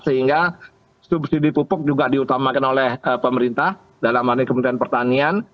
sehingga subsidi pupuk juga diutamakan oleh pemerintah dalam hal ini kementerian pertanian